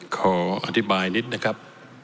ขออธิบายนิดนะครับ